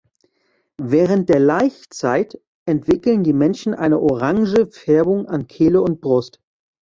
Während der Laichzeit entwickeln die Männchen eine orange Färbung an Kehle und Brust.